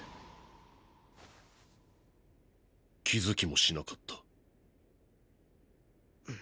気づきもしなかった。